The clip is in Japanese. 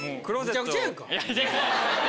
むちゃくちゃやんか。